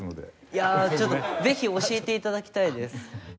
いやちょっとぜひ教えて頂きたいです。